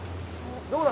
どうだ？